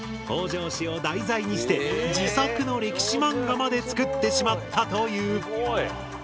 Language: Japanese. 北条氏を題材にして自作の歴史マンガまで作ってしまったという。